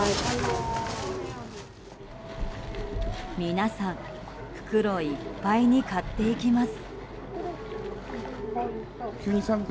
皆さん、袋いっぱいに買っていきます。